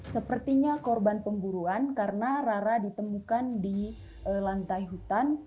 sepertinya korban pemburuan karena rara ditemukan di lantai hutan